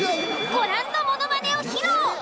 ご覧のものまねを披露。